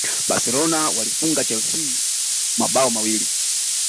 barcelona walifunga chelsea mabao mawili